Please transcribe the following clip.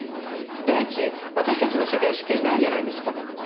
第一私たちの世代しかいないじゃないですか。